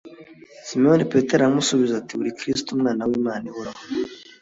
Simoni Petero aramusubiza ati “Uri Kristo, Umwana w’Imana ihoraho.”